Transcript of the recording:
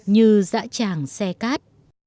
như dã chàng xe cát